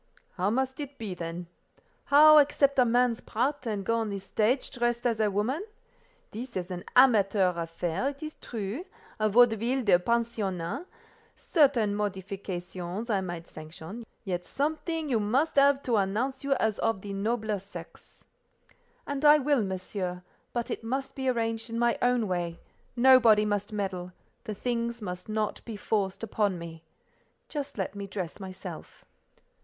"How must it be, then? How accept a man's part, and go on the stage dressed as a woman? This is an amateur affair, it is true—a vaudeville de pensionnat; certain modifications I might sanction, yet something you must have to announce you as of the nobler sex." "And I will, Monsieur; but it must be arranged in my own way: nobody must meddle; the things must not be forced upon me. Just let me dress myself."